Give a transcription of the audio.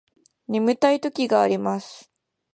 眠たい時があります